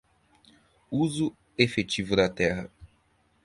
Uso efetivo da terra